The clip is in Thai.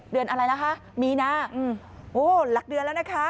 เดือนอะไรล่ะคะมีนาโอ้หลักเดือนแล้วนะคะ